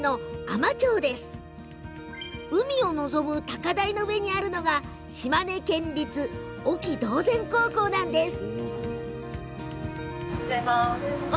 海を望む高台の上にあるのが島根県立隠岐島前高校です。